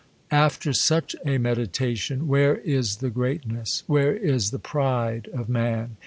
After such a meditation, where is the greatness, where is the pride of man